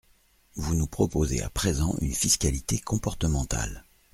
Vous nous proposez à présent une fiscalité comportementale.